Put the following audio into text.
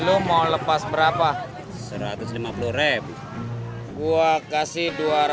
lu mau lepas berapa satu ratus lima puluh rev gua kasih dua ratus